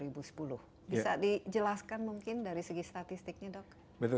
bisa dijelaskan mungkin dari segi statistiknya dok